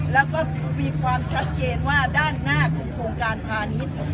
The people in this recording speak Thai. แล้วก็มีความชัดเจนว่าด้านหน้าของโครงการพาณิชย์